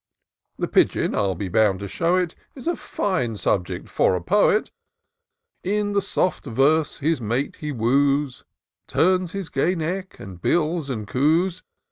The pigeon, I'll be bound to show it. Is a fine subject for a poet ; In the soft verse his mate he woos, Turns his gay neck, and bills and coos.